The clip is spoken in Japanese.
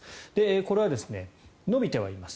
これは伸びてはいます。